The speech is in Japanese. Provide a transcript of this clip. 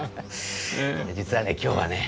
実はね今日はね